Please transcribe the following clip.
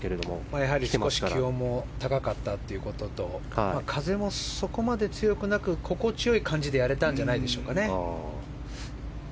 やはり少し気温も高かったというところと風もそこまで強くなく心地良い感じでやれたんじゃないでしょうか。